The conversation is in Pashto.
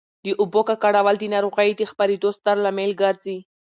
د اوبو ککړول د ناروغیو د خپرېدو ستر لامل ګرځي.